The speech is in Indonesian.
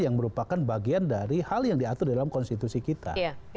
yang merupakan bagian dari hal yang diatur dalam konstitusi kita